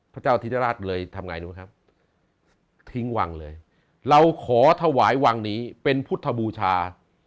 พระเจ้าธิราชเลยทำไงรู้ไหมครับทิ้งวังเลยเราขอถวายวังนี้เป็นพุทธบูชา